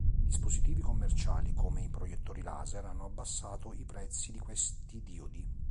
Dispositivi commerciali come i proiettori laser hanno abbassato i prezzi di questi diodi.